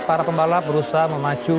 para pembalap berusaha memacu